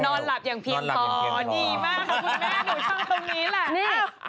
นอนหลับอย่างเพียงรอดีมากคุณแม่หนูช่องตรงนี้ล่ะ